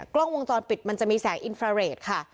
กล้องวงจรปิดมันจะมีแสงอินฟราเรทค่ะ